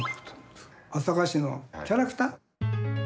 朝霞市のキャラクター。